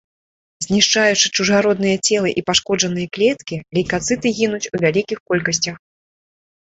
Знішчаючы чужародныя целы і пашкоджаныя клеткі, лейкацыты гінуць у вялікіх колькасцях.